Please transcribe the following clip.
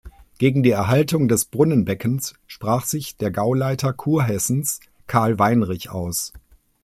Gegen die Erhaltung des Brunnenbeckens sprach sich der Gauleiter Kurhessens Karl Weinrich aus.